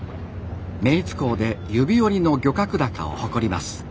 目井津港で指折りの漁獲高を誇ります。